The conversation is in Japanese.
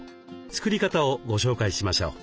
作り方をご紹介しましょう。